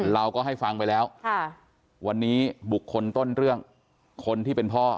เราก็ให้ฟังไปแล้ววันนี้บุคคลต้นเรื่องคนที่เป็นพ่อ